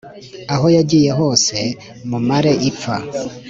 aho yagiye hose mumare ipfa